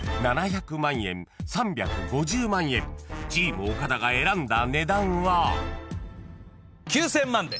［チーム岡田が選んだ値段は］９，０００万で。